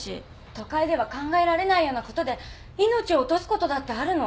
都会では考えられないようなことで命を落とすことだってあるの。